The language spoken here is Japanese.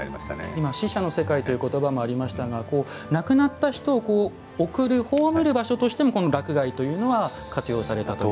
今、死者の世界ということばもありましたが亡くなった人を送る、葬る場所としても洛外というのは活用されたと。